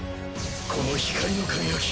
この光の輝き。